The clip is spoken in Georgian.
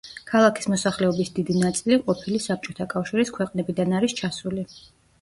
ქალაქის მოსახლეობის დიდი ნაწილი ყოფილი საბჭოთა კავშირის ქვეყნებიდან არის ჩასული.